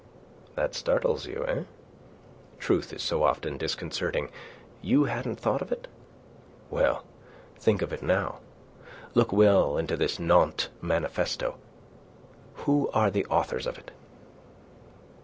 "That startles you, eh? Truth is so often disconcerting. You hadn't thought of it? Well, think of it now. Look well into this Nantes manifesto. Who are the authors of it?"